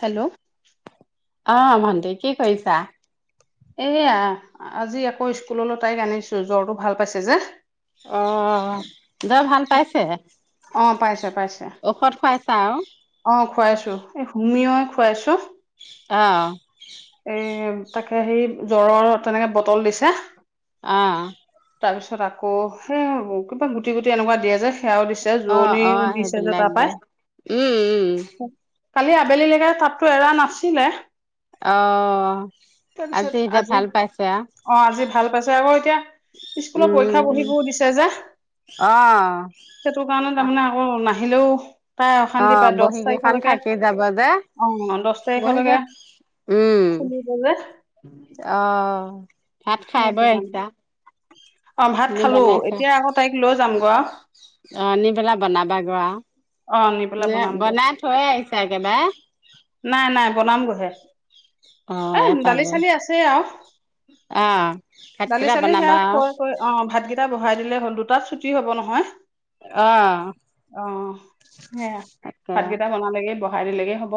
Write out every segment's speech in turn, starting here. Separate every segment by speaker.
Speaker 1: Hello
Speaker 2: অ ভণ্টি কি কৰিছা
Speaker 1: এয়া আজি আকৌ স্কুললৈ তাইক আনিছো জ্বৰটো ভাল পাইছে যে
Speaker 2: অ দই ভাল পাইছে
Speaker 1: অঁ
Speaker 2: ঔষধ খুৱাইছে
Speaker 1: অ খুৱাইছো এই হুমিই খুৱাইছো
Speaker 2: অঁ
Speaker 1: এই তাকে সেই জ্বৰৰ তেনেকে বটল দিছে
Speaker 2: আহ
Speaker 1: তাৰপিছত আকৌ সেই কিবা গুটি গুটি এনেকুৱা দিয়ে যে সেয়াও দিছে
Speaker 2: অহ
Speaker 1: জোৰণিও
Speaker 2: অহ
Speaker 1: দিছে যে
Speaker 2: সেইবিলাক দে উম উম
Speaker 1: তাৰাপাই কালি আবেলিলেকে তাততো এৰা নাছিলে
Speaker 2: অহ
Speaker 1: তাৰপিছত
Speaker 2: এতিয়া
Speaker 1: আজি
Speaker 2: ভাল পাইছে আও
Speaker 1: অ আজি ভাল পাইছে আকৌ এতিয়া স্কুলত পৰীক্ষা
Speaker 2: উম
Speaker 1: পঢ়িবও দিছে যে
Speaker 2: অহ
Speaker 1: সেইটো কাৰণে তাৰমানে আকৌ নাহ [unintelligible] হেল্ল' তাই অশান্তি
Speaker 2: অহ
Speaker 1: পায়
Speaker 2: বহী
Speaker 1: দহ
Speaker 2: কেইখন
Speaker 1: তাৰিখলৈকে
Speaker 2: থাকি যাব যে
Speaker 1: অ দহ
Speaker 2: বহী
Speaker 1: তাৰিখলৈকে
Speaker 2: কেই
Speaker 1: খুলিব যে [unintelligible]
Speaker 2: অ ভাত খাই
Speaker 1: সেইটো
Speaker 2: বৈ
Speaker 1: কাৰণে
Speaker 2: আহিছা
Speaker 1: অ ভাত
Speaker 2: নে
Speaker 1: খালো এতিয়া আকৌ তাইক লৈ যাম গ [unintelligible]
Speaker 2: অ নি পেলা বনাবা গোৱা
Speaker 1: অ', নি পেলাই
Speaker 2: ন
Speaker 1: বনামগৈ
Speaker 2: বনাই থৈ আহিছে এক একেবাৰে
Speaker 1: নাই নাই বনাম গৈহে
Speaker 2: অহ
Speaker 1: [unintelligible] এ
Speaker 2: এয়া
Speaker 1: দালি
Speaker 2: পালো
Speaker 1: চালি আছে আৰু
Speaker 2: অহ
Speaker 1: দালি
Speaker 2: ভাতকেইটা
Speaker 1: চালি
Speaker 2: বনাবা
Speaker 1: সোত
Speaker 2: আও
Speaker 1: কৈ কৈ অ ভাতকেইটা বহাই দিলে হ'ল দুটাত চুটি হ'ব নহয় [unintelligible]
Speaker 2: অহ
Speaker 1: অ সেয়া
Speaker 2: তাকে
Speaker 1: ভাতকেইটা বনালেগে বস। বড়াই দিলেগে হব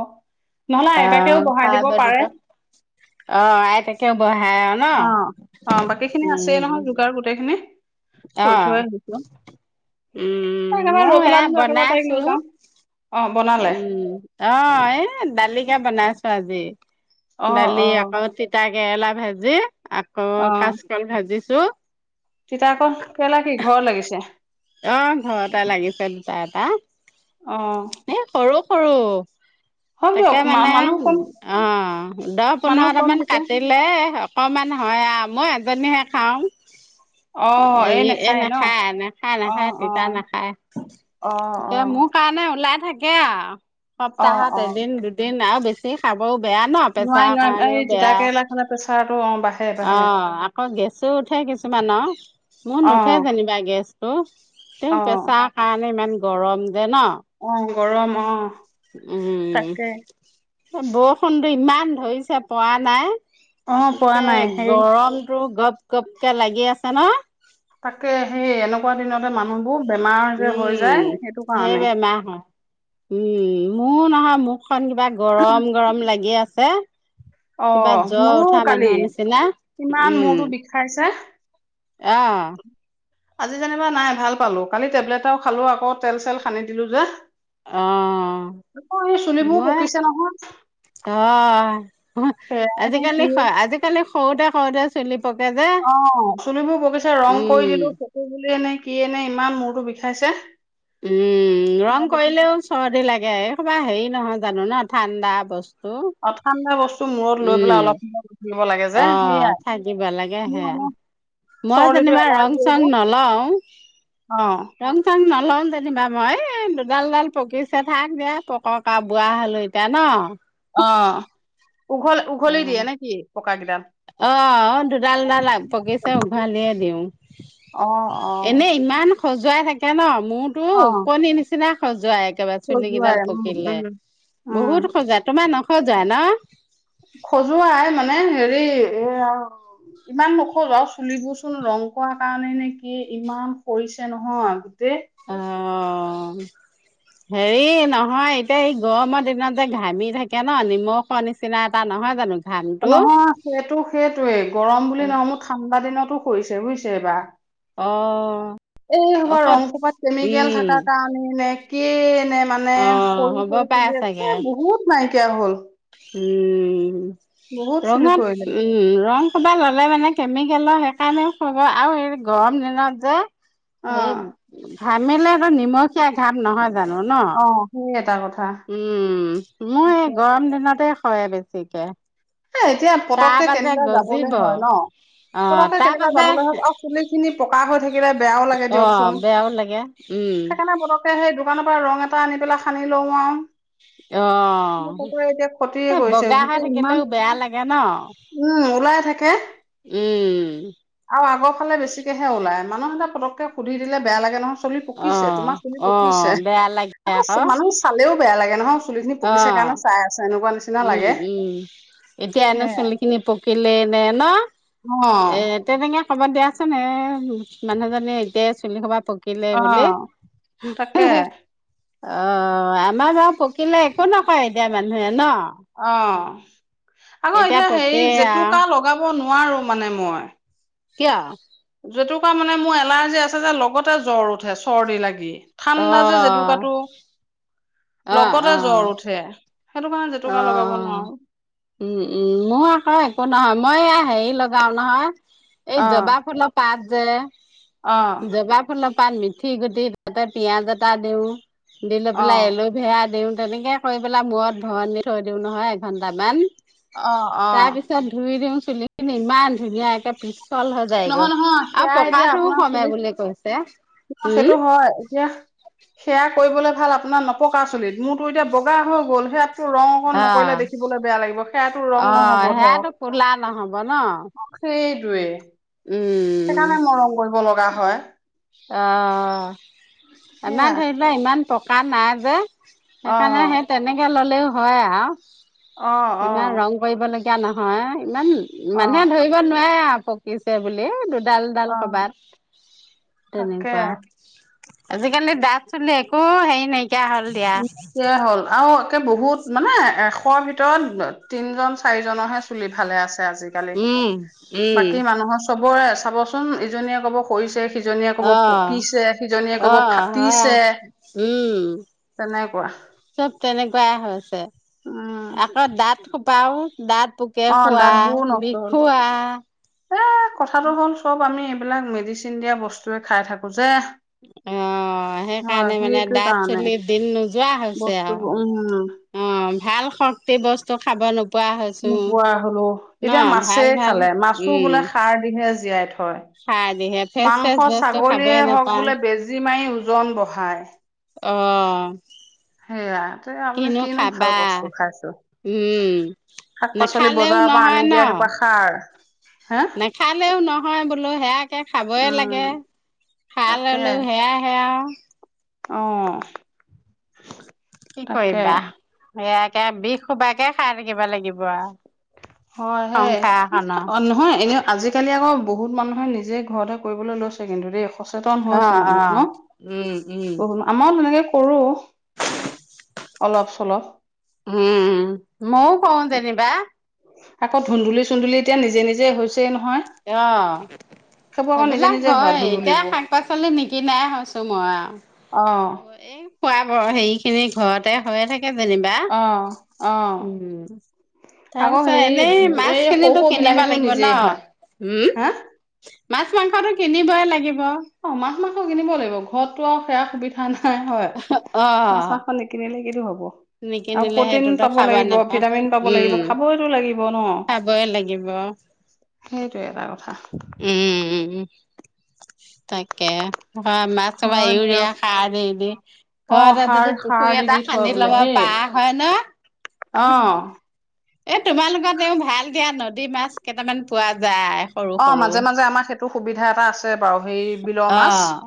Speaker 1: নহলে আইতাকেও বড়াই
Speaker 2: খাই
Speaker 1: দিব
Speaker 2: বৈ
Speaker 1: পাৰে।
Speaker 2: তেতিয়া অ আইতাকেও বহাই আৰু ন
Speaker 1: অ অ বাকী খিনি আছে
Speaker 2: উম
Speaker 1: নহয় যোগাৰ গোটেই। খনে
Speaker 2: অ
Speaker 1: কৈ থোৱাই আহিছো।
Speaker 2: উম
Speaker 1: একেবাৰে
Speaker 2: ময়ো
Speaker 1: ৰৈ
Speaker 2: এয়া
Speaker 1: পেলামো একেবাৰে তাইক লৈ
Speaker 2: বনাইছো
Speaker 1: যাম অ। বনালে
Speaker 2: উম অ এ দালিকা বনাইছো আজি।
Speaker 1: অ',
Speaker 2: দালি
Speaker 1: অ',
Speaker 2: আকৌ তিতা কেৰেলা ভাজি আকৌ কাচকল ভাজি। চ [unintelligible]
Speaker 1: তিতাক কেলা কি ঘৰত লাগিছে।
Speaker 2: অ ঘৰতে লাগিছে দুটা এটা
Speaker 1: অ
Speaker 2: এ সৰু। সৰু।
Speaker 1: হওক
Speaker 2: তাকে
Speaker 1: দিয়ক মা
Speaker 2: মানে
Speaker 1: মানুহ কম
Speaker 2: অ দহ
Speaker 1: মানুহ কম
Speaker 2: পোন্ধৰটামান
Speaker 1: যেতিয়া
Speaker 2: কাটিলে। অকমান হয় আৰু মই এজনীহে খাও
Speaker 1: অ
Speaker 2: এ
Speaker 1: এই নাখায়
Speaker 2: এনে
Speaker 1: ন
Speaker 2: খা এনে খাই
Speaker 1: অ
Speaker 2: নাখায়
Speaker 1: অ
Speaker 2: তিতা নাখায়
Speaker 1: অ অ
Speaker 2: এতিয়া মোৰ কাৰণে। ওলাই থাকে আৰু,
Speaker 1: অ
Speaker 2: সপ্তাহত
Speaker 1: অ
Speaker 2: এদিন দুদিন আৰু বেছি খাব। বেয়া ন
Speaker 1: নোৱাৰি
Speaker 2: পেচাৰ
Speaker 1: নোৱাৰি
Speaker 2: কাৰণেও
Speaker 1: এই তিতা
Speaker 2: বেয়া।
Speaker 1: কেৰেলা খালে প্ৰেছাৰটো অ বাঢ়ে
Speaker 2: অ
Speaker 1: বাঢ়ে
Speaker 2: আকৌ গেছো উঠে কিছুমানৰ, মোৰ
Speaker 1: অ
Speaker 2: নুঠে যেনিবা গেছ। ত তেওঁ
Speaker 1: অ
Speaker 2: প্ৰেছাৰ কাৰণে ইমান গৰম। দে ন
Speaker 1: অ গৰম অ তাকে
Speaker 2: উম। বৰষুণটো ইমান ধৰিছে প নাই।
Speaker 1: অ পোৱা
Speaker 2: তাকে
Speaker 1: নাই সেই
Speaker 2: গৰমতটো গপ গপকে লাগি আছে ন।
Speaker 1: পোৱা দিনতে মানুহবোৰ। বেমাৰ যে হৈ যায়
Speaker 2: উম
Speaker 1: সেইটো
Speaker 2: সেইব
Speaker 1: কাৰণে
Speaker 2: ম হ উম ম নহ ম। কিবা গৰম গৰম লাগি আছে।
Speaker 1: অ
Speaker 2: কিবা জ
Speaker 1: মোৰো
Speaker 2: উঠা
Speaker 1: কালি
Speaker 2: মানুহৰ নিচিনা
Speaker 1: ইমান
Speaker 2: উম।
Speaker 1: মূৰটো বিষাইছে
Speaker 2: আহ।
Speaker 1: আজি যেনিবা নাই ভাল পালো কালি টেবলেটও খালো আকৌ তেল চেল হানি দিলো যে।
Speaker 2: আহ
Speaker 1: আকৌ এই
Speaker 2: ম
Speaker 1: চুলিবোৰ পকিছে নহয়
Speaker 2: আহ।
Speaker 1: সেয়াই নে
Speaker 2: আজিকালি
Speaker 1: কি
Speaker 2: আজিকালি সৰুতে কৰোতে চলি।
Speaker 1: অ চুলিবোৰ বগিচা ৰং
Speaker 2: উম
Speaker 1: কৰি দিলো চকু দিলে এনেক। সেনে ইমান মূৰটো বিষাইছে।
Speaker 2: উম ৰং কৰিলেও চৰ্দি লাগে। কবা হেৰি নহয় জানো ন ঠাণ্ডা বস্তু।
Speaker 1: অঠানডা বস্তু মূৰত লৈ পেলাই অলপ সময়। লাগে যে
Speaker 2: আহ
Speaker 1: সেয়াই
Speaker 2: থাকাকিব লাগে
Speaker 1: মোৰ
Speaker 2: আহে।
Speaker 1: মানে
Speaker 2: মই
Speaker 1: চৰ্দিটো
Speaker 2: যেনিবা ৰং
Speaker 1: এলাৰ্জি
Speaker 2: চং
Speaker 1: যে
Speaker 2: নলও
Speaker 1: অ
Speaker 2: ৰং চং নলও। লম যেনিবা মই এই দুডালডাল পকিছে থাক যে পকাকা বুৰা হলো এতিয়া ন।
Speaker 1: অ উঘল
Speaker 2: অ
Speaker 1: উঘলি দিয়ে নেকি?
Speaker 2: অ দুডালডাল পকিছে উঘালিয়ে দিওঁ।
Speaker 1: অ অ
Speaker 2: এনে ইমান খজুৱাই থাকে ন মোৰতো
Speaker 1: অ
Speaker 2: ওকনি নিচিনা খযোৱাই। একেবাৰে চুলি
Speaker 1: খজুৱাই
Speaker 2: কেইডাল
Speaker 1: উম
Speaker 2: পকিলে
Speaker 1: উম উম
Speaker 2: বহুত খোজুৱাই তোমাৰ নখযোৱাই ন।
Speaker 1: খজুৱাই মানে হেৰি এ ইমান নখ্যোৱাই। চুলিবচোন ৰং কৰা কাৰণে নে কি ইমান সৰিছে নহয় গোটেই।
Speaker 2: অঁ। হেৰি নহয় এতিয়া এই গৰমৰ দিনত যে ঘামি থাকে ন নিমখৰ নিচিনা এটা নহয় জানো। ঘামটো
Speaker 1: নহয় সেইটো সেইটোৱেই গৰম বুলি নহয় ঠাণ্ডা দিনতোছে বুজিছে বা।
Speaker 2: অ।
Speaker 1: এই খোপা
Speaker 2: ঔষধ
Speaker 1: ৰং কোপাত কেমিকেল
Speaker 2: উম
Speaker 1: থকা কাৰণে নে কিএ নে মানে
Speaker 2: অ
Speaker 1: সৰি
Speaker 2: হ'ব পাই
Speaker 1: সৰু।
Speaker 2: চাগে
Speaker 1: বহুত নাইকিয়া হ'ল।
Speaker 2: উম
Speaker 1: বহুত চুলি
Speaker 2: ৰঙা
Speaker 1: সৰিলে
Speaker 2: উম ৰং। কবা ল'লে মানে কেমিকেলৰ সেইকাৰণেও খাব আৰু গৰম দিনত যে
Speaker 1: অ
Speaker 2: এই ঘামিলে নিমখীয়া ঘাপ নহয়। জানো ন
Speaker 1: অ সেই এটা কথা।
Speaker 2: উম, মোৰ এই গৰম দিনতে হয় বেছিকে।
Speaker 1: হে এতিয়া পতককে
Speaker 2: তাৰপা যে
Speaker 1: কেনেবা যাবলৈ
Speaker 2: গজিব
Speaker 1: হয় ন।
Speaker 2: অ
Speaker 1: পততকে
Speaker 2: তাৰপা
Speaker 1: কেনেবা
Speaker 2: যে
Speaker 1: যাবলৈ আৰু চুলি খিনি পকা হৈ থাকিলে বেয়াও লাগে
Speaker 2: অ
Speaker 1: দিয়কচোন।
Speaker 2: বেয়াও লাগে উম
Speaker 1: সেইকাৰণে পতককে সেই দোকানৰ পৰা ৰং এটা আনি পেলাই সানি লও আৰু।
Speaker 2: অ
Speaker 1: মোৰ কুকুৰে এতিয়া খটি
Speaker 2: এ
Speaker 1: কৰিছে
Speaker 2: বগা হৈ
Speaker 1: গোটেই ইমান
Speaker 2: থাকিলেও বেয়া লাগে ন
Speaker 1: উম ওলাই থাকে।
Speaker 2: উম
Speaker 1: আৰু আগৰ ফালে বেছিকেহে ওলাই, মানুহতি পতককে সুধি দিলে বেয়া লাগে ন চুলি
Speaker 2: অ
Speaker 1: পকিছে, তোমাৰ চুলি
Speaker 2: অ
Speaker 1: পকিছে
Speaker 2: বেয়া লাগে
Speaker 1: আৰু
Speaker 2: আকৌ
Speaker 1: মানুহ চালেও বেয়া লাগে নহয়। চুলি খিনি
Speaker 2: অ
Speaker 1: পকিছে কাৰণে চাই আছে। এনেকুৱা নিচিনা
Speaker 2: উম
Speaker 1: লাগে
Speaker 2: উম, এতিয়া এনে
Speaker 1: হে
Speaker 2: চুলিখিনি পকিলে এনে ন।
Speaker 1: অ
Speaker 2: এ তেনেকে কবাত দিয়াচোন এ মানুহজনি এতিয়া চুলি খোপা পক কিলে
Speaker 1: অ
Speaker 2: বুলে।
Speaker 1: তাকে
Speaker 2: অ আমাৰ বাও পকিলে একো নকয় এতিয়া মানুহে ন।
Speaker 1: অ আকৌ এতিয়া হেৰি
Speaker 2: পকে আও
Speaker 1: জেতুকা লগাব নোৱাৰো মানে মই।
Speaker 2: কিয়?
Speaker 1: জেতুকা মানে মোৰ এলাৰ্জি আছে যে লগতে জ্বৰ উঠে চৰ্দি লাগি।
Speaker 2: অ
Speaker 1: ঠাণ্ডা যে জেতুকাটো,
Speaker 2: অ অ
Speaker 1: লগতে জ্বৰ উঠে। সেইটো কাৰণে
Speaker 2: অ
Speaker 1: জেতুকা লগাব নোৱাৰো।
Speaker 2: উম উম মোৰ আকৌ একো নহয়। মই এয়া হেৰি লগাও নহয়, এই
Speaker 1: অ',
Speaker 2: জবা ফুলৰ পাত যে
Speaker 1: অ',
Speaker 2: জবা ফুলৰপাত, মিঠি গুটি তাতে পিয়াজ এটা দিওঁ। দি লৈ পেলাই
Speaker 1: অ',
Speaker 2: এলুভেৰা দিওঁ, তেনেকে কৰি পেলাই মূৰত ভৰণি থৈ দিওঁ নহয় এঘন্টামান।
Speaker 1: অ',
Speaker 2: তাৰ
Speaker 1: অ'।
Speaker 2: পিছত ধুই দিও চুলিখিনি ইমান ধুনীয়াকে পিছ চল হৈ যায়গ
Speaker 1: নহয় নহয়
Speaker 2: আৰু
Speaker 1: সেয়া এতিয়া
Speaker 2: পকাটোও
Speaker 1: আপোনাৰ
Speaker 2: কমে
Speaker 1: চুলিত
Speaker 2: বুলি কৈছে।
Speaker 1: সেইটো
Speaker 2: উম
Speaker 1: হয় এতিয়া সেয়া কৰিবলৈ ভাল আপোনাৰ নপকা চুলিত মোৰতো এতিয়া বগা হৈ গল সেয়াত ৰং অকণ
Speaker 2: অ
Speaker 1: নকৰিলে দেখিবলৈ বেয়া লাগিব সেয়াতো ৰং
Speaker 2: অ
Speaker 1: নহব
Speaker 2: সেয়াতো কোলা নহব ন
Speaker 1: ধৰক। সেই টোৱে,
Speaker 2: উম
Speaker 1: সেইকাৰণে মৰম কৰিব লগা হয়।
Speaker 2: অঁ আমাৰ
Speaker 1: সেয়া
Speaker 2: ধৰি লোৱা ইমান পকা নাই যে। সেইকাৰণে
Speaker 1: অ',
Speaker 2: সেই তেনেকে ললেও হয় আৰু
Speaker 1: অ',
Speaker 2: ইমান
Speaker 1: অ',
Speaker 2: ৰং কৰিব লাগিব। কিয়া নহয় ইমান মানুহে
Speaker 1: অ',
Speaker 2: ধৰিব নোৱাৰে আৰু পকিছে বুলি। ডাল ডাল
Speaker 1: অ'।
Speaker 2: কৰবাত
Speaker 1: তাকে
Speaker 2: তেনেকুৱা। আজিকালি দাত, চুলি একো হেৰি নাই
Speaker 1: তাকে হ'ল আৰু বহুত মানে এশৰ ভিতৰত তিনজন চাৰিজনৰহে চুলি ফালে আছে। চে আজিকালি,
Speaker 2: উম উম
Speaker 1: বাকী মানুহৰ চবৰে চাবচোন ইজনীয়ে কব স
Speaker 2: অহ
Speaker 1: ক'ব
Speaker 2: অহ হয়
Speaker 1: ফাটিছে
Speaker 2: উম।
Speaker 1: তেনেকুৱা
Speaker 2: চব তেনেকুৱাই হৈছে।
Speaker 1: উম
Speaker 2: আকৌ দাঁত খোপাও, দাঁত পোকে
Speaker 1: অ
Speaker 2: খোৱা,
Speaker 1: দাঁতবোৰো নষ্ট হ'ল
Speaker 2: বিষুৱা
Speaker 1: এ কথাটো হ'ল চব আমি এইবিলাক মেডিচিন দিয়া বস্তুয়ে খাই থাকো যে।
Speaker 2: অ। অ
Speaker 1: হয়
Speaker 2: সেইকাৰণে মানে
Speaker 1: সেইটো
Speaker 2: দাঁত
Speaker 1: কাৰণে
Speaker 2: চলি দিন নোযোৱা হৈছে
Speaker 1: বস্তু
Speaker 2: আৰু।
Speaker 1: উম
Speaker 2: অ ভাল শক্তি বস্তু খাব নো পোৱা হৈছো
Speaker 1: নোপোৱা হলো
Speaker 2: ন
Speaker 1: এতিয়া মাছেই
Speaker 2: ভাল ভাল
Speaker 1: খালে মাছো
Speaker 2: উম।
Speaker 1: বোলে সাৰ দিহে জীয়াই থয়
Speaker 2: খাই যিহে
Speaker 1: মাংস ছাগলীয়ে হওক বোলে বেজী মাৰি ওজন বঢ়ায়।
Speaker 2: অহঁ।
Speaker 1: সেয়া তে আপুনি কিনো ভাল বস্তু খাইছো।
Speaker 2: উম
Speaker 1: শাক পাচলি
Speaker 2: নেখালেও
Speaker 1: বজাৰৰ পৰা
Speaker 2: নহয়
Speaker 1: আনি
Speaker 2: ন
Speaker 1: দিয়া সেইপা সাৰ। হে
Speaker 2: নেখালেও নহয় বোলোঁ সেয়াকে খাবই
Speaker 1: উম
Speaker 2: লাগে। খাই ললোঁ সেয়া সেয়া।
Speaker 1: অহ।
Speaker 2: কি কৰিবা সেয়াকে বিষ সোবাকে খাই থাকিব লাগিব আও।
Speaker 1: হয় হেই নহয় এনে। আজিকালি আকৌ বহুত মানুহে নিজে ঘৰতে কৰিবলৈ লৈছে কিন্তু দেই। সচেতন
Speaker 2: অ
Speaker 1: হৈছে
Speaker 2: অ
Speaker 1: মানুহ নহ
Speaker 2: উম উম
Speaker 1: বহু আমাৰ তেনেকে কৰোঁ। অলপ চলপ।
Speaker 2: উম মও কৰোঁ যেনিবা।
Speaker 1: আকৌ ধুন্দুলি চুন্দুলি এতিয়া নিজে নিজে হৈ হৈছে।
Speaker 2: অহ।
Speaker 1: সেইবোৰ আকৌ নিজে
Speaker 2: সেইবিলাক
Speaker 1: নিজে হোৱা
Speaker 2: হয় এতিয়া
Speaker 1: ধুন্দুলিবোৰ
Speaker 2: শাক পাচলি নিকিনাই হৈছোঁ মই আও। অ এ খোৱা বৰ হে খিনি ঘৰতে হৈয়ে থাকে। কে যেনিবা
Speaker 1: অ অ
Speaker 2: উম। তাৰ
Speaker 1: আকৌ
Speaker 2: পিছত
Speaker 1: হেৰি
Speaker 2: এনেই মাছ
Speaker 1: এই সৰু
Speaker 2: খিনিটো
Speaker 1: সৰু
Speaker 2: কিনিব
Speaker 1: বিলাহীটো
Speaker 2: লাগিব ন।
Speaker 1: নিজেই হয়
Speaker 2: উম
Speaker 1: হা
Speaker 2: মাছ মাংসটো কিনিবই লাগিব।
Speaker 1: অ মাছ মাংস কিনিব লাগিব ঘৰতটো আও সেয়া সুবিধা নাই। হয় হয়
Speaker 2: অ
Speaker 1: মাছ মাংস নিকিনিলে কিটো হ'ব। আৰু
Speaker 2: নিকিনিলে
Speaker 1: প্ৰটিন
Speaker 2: সেইটোতো
Speaker 1: পাব
Speaker 2: খাবা
Speaker 1: লাগিব
Speaker 2: নাপাওঁ
Speaker 1: ভিটামিন পাব
Speaker 2: উ
Speaker 1: লাগিব খাবইতো লাগিব
Speaker 2: খাবই লাগিব। [unintelligible]
Speaker 1: সেইটো এটা কথা।
Speaker 2: উম উম তাকে। মাছ চবা
Speaker 1: হয়
Speaker 2: ইউৰিয়া
Speaker 1: দিয়ক
Speaker 2: সাৰ দি দি
Speaker 1: অ
Speaker 2: ঘৰতে
Speaker 1: সাৰ
Speaker 2: যদি
Speaker 1: সাৰ
Speaker 2: পুখুৰী
Speaker 1: দি দি
Speaker 2: এটা খানি ল'ব পাৰ আহ হয় ন।
Speaker 1: অহ।
Speaker 2: এ তোমালোকত তেওঁ ভাল দিয়া নদী মাছ কেইটামান পোৱা যায়। সৰু
Speaker 1: অ
Speaker 2: সৰু।
Speaker 1: মাজে মাজে আমাৰ সেইটো সুবিধা এটা আছে বাৰু সেই বিলৰ মাছ।
Speaker 2: অ',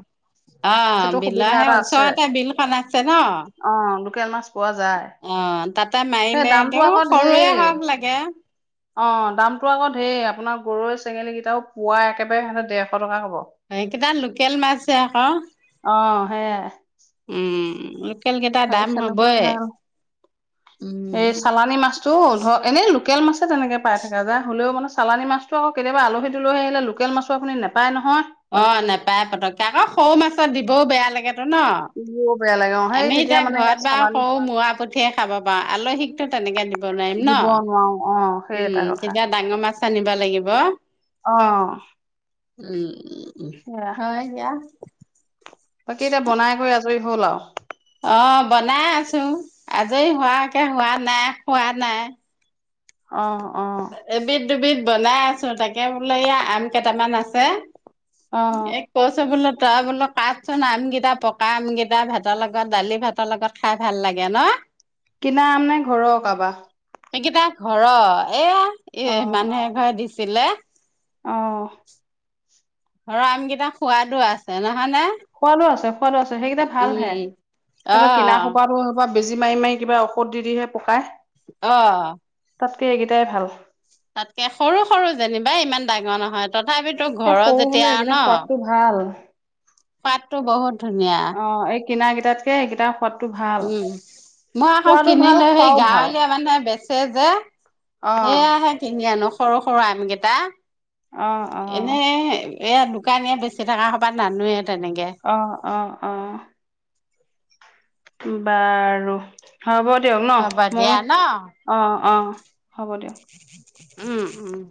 Speaker 2: অ
Speaker 1: সেইটো সুবিধা
Speaker 2: বিলাহে
Speaker 1: এটা আছে
Speaker 2: ওচৰতে বিলখন আছে ন।
Speaker 1: অ লোকেল মাছ পোৱা যায়
Speaker 2: অ', তাতে
Speaker 1: সেই
Speaker 2: মাৰিলে
Speaker 1: দামটো
Speaker 2: তেওঁ
Speaker 1: আকৌ
Speaker 2: সৰুৱে
Speaker 1: ধেৰ।
Speaker 2: হওক লাগে
Speaker 1: অ দামতো আকৌ ধেৰ আপোনাৰ গৰৈ চেঙেলী কেইটাও পুৱা একেবাৰে দেৰশ টকা ক'ব
Speaker 2: এই কেইটা লোকেল মাছহে আক।
Speaker 1: অহ সেয়াই।
Speaker 2: উম। লোকেল কেইটা দাম
Speaker 1: স তেনেকুৱা
Speaker 2: হ'বই
Speaker 1: ভাল
Speaker 2: উম।
Speaker 1: এই চালানী মাছতটো ধৰ এনেই লু লোকেল মাছে তেনেকে পায় থাকে জা হ'লেও চালানী মাছটো আকৌ কেতিয়াবা আলহি দুলহি আহিলে লোকেল মাছ আপুনি নেপায় নহয়
Speaker 2: অ নেপায় পতককে আকৌ সৰু মাছৰ দিবও বেয়া লাগে।
Speaker 1: ব বেয়া লাগে অ সেই
Speaker 2: আমি
Speaker 1: তেতিয়া
Speaker 2: এতিয়া
Speaker 1: মানে
Speaker 2: ঘৰত বা
Speaker 1: চালানী
Speaker 2: সৰু মূৰা পুঠিয়ে খাব পাওঁ আলহীকতো তেনেকে দিব নোৱাৰিম ন।
Speaker 1: নুৱাও অ সেই এটা
Speaker 2: উম
Speaker 1: কথা।
Speaker 2: তেতিয়া ডাঙৰ মাছ আনিব লাগিব।
Speaker 1: অ।
Speaker 2: উম
Speaker 1: সেয়া
Speaker 2: হয় দিয়া।
Speaker 1: বাকী এতিয়া বনাই কৰি আজৰি হ'ল আউ?
Speaker 2: অ বনাই আছোঁ আজৰি হোৱাকে হোৱা নাই হোৱা নাই।
Speaker 1: অহ।
Speaker 2: এবিধ দুবিধ বনাই আছোঁ তাকে বোলে এয়া আম কেইটামান আছে।
Speaker 1: অ
Speaker 2: এক পচবলত তই বোলোঁ কাটচোন আমকেইটা পকা আমকেইটা ভাতৰ লগত দালি ভাতৰ লগত খাই ভাল লাগে ন।
Speaker 1: কিনা আম নে ঘৰৰ কাবা?
Speaker 2: সেইকেইটাৰ ঘৰ এয়া এ মানুহে এ ঘৰে দিছিলে।
Speaker 1: অহ
Speaker 2: ধৰা আমকেইটা সোৱাদো আছে ন
Speaker 1: সোৱাদো আছে সোৱাদো আছে সেইকেইটা ভাল হে
Speaker 2: উম
Speaker 1: সেইবা কিনা
Speaker 2: অ'
Speaker 1: সোপাতো সে সোপা বেজি মাৰি মাৰি কিবা ঔষধ দি দিহে পকাই
Speaker 2: অ
Speaker 1: তাতকে এইকেইটাই ভাল
Speaker 2: তাতকে সৰু সৰু যেনিবা ইমান ডাঙৰ নহয় তথাপি তোৰ
Speaker 1: এই
Speaker 2: ঘৰত
Speaker 1: সৰু হলে
Speaker 2: যেতিয়া
Speaker 1: এইকেইটা
Speaker 2: ন
Speaker 1: সোৱাদটো ভাল
Speaker 2: সোৱাদটো বহুত ধুনীয়া
Speaker 1: অ এই কিনা কেইটাতকে সেইকেইটা
Speaker 2: উম মই আকৌ
Speaker 1: ভাল
Speaker 2: কিনিলো সেই
Speaker 1: খোৱাও ভাল
Speaker 2: গাঁৱলীয়া মানুহে বেছ চে যে
Speaker 1: অ
Speaker 2: সেয়াহে কিনি আনো সৰু সৰু আম কেইটা
Speaker 1: অ অ
Speaker 2: এনে এয়া দোকানীয়ে বেছি থকা হুপা নানুৱে
Speaker 1: অ অ অ বাৰু। হ'ব দিয়ক ন'
Speaker 2: হ'ব
Speaker 1: হম
Speaker 2: দিয়া ন।
Speaker 1: অঁ অঁ হ'ব দিয়ক।
Speaker 2: উম' উম'